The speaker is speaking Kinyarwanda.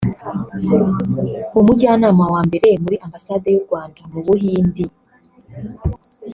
umujyanama wa mbere muri Ambasade y’u Rwanda mu Buhindi